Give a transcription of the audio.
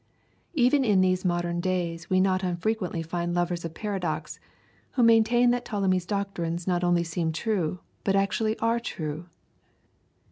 Even in these modern days we not unfrequently find lovers of paradox who maintain that Ptolemy's doctrines not only seem true, but actually are true.